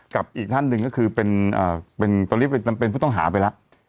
กับอีกท่านหนึ่งก็คือเป็นอ่าเป็นตอนนี้เป็นเป็นผู้ต้องหาไปแล้ว